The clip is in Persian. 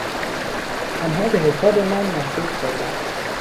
آنها به حساب من مشروب خوردند.